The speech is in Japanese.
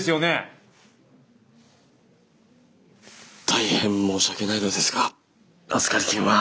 大変申し訳ないのですが預かり金は。